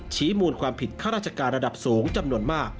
ชี้มูลความผิดข้าราชการระดับสูงจำนวนมาก